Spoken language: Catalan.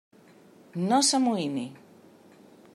No s'amoïni.